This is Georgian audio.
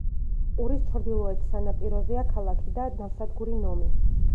ყურის ჩრდილოეთ სანაპიროზეა ქალაქი და ნავსადგური ნომი.